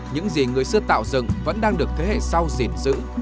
những gì người xưa tạo dựng vẫn đang được thế hệ sau gìn giữ